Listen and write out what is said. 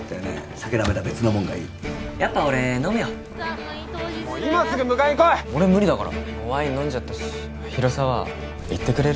酒ダメだ別のもんがいいってやっぱ俺飲むよもう今すぐ迎えに来い無理ワイン飲んじゃったし広沢行ってくれる？